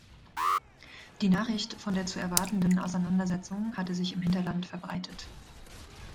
Die Nachricht von der zu erwartenden Auseinandersetzung hatte sich im Hinterland verbreitet.